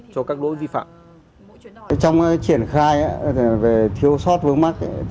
cho các lỗi vi phạm